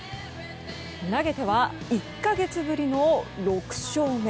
投げては１か月ぶりの６勝目。